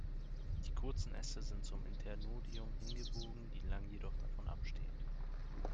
Die kurzen Äste sind zum Internodium hin gebogen, die langen jedoch davon abstehend.